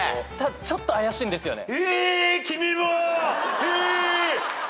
ちょっと怪しいんですよね。